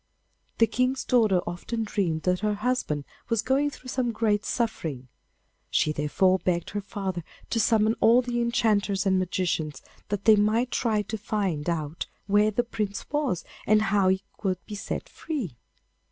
The King's daughter often dreamed that her husband was going through some great suffering; she therefore begged her father to summon all the enchanters and magicians, that they might try to find out where the Prince was and how he could be set free.